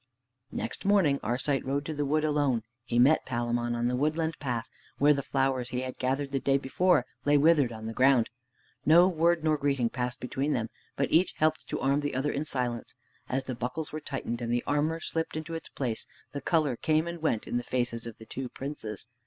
Next morning Arcite rode to the wood alone. He met Palamon on the woodland path where the flowers he had gathered the day before lay withered on the ground. No word nor greeting passed between them, but each helped to arm the other in silence. As the buckles were tightened and the armor slipped into its place, the color came and went in the faces of the two princes.